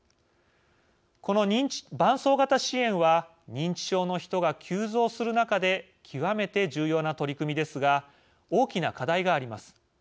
この伴走型支援は認知症の人が急増する中で極めて重要な取り組みですが大きな課題があります。